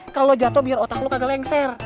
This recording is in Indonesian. kalau lu jatuh biar otak lu kagak lengser